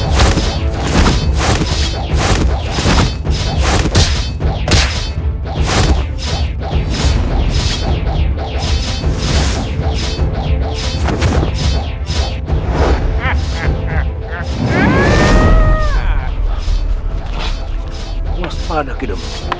jangan berlama lama kakak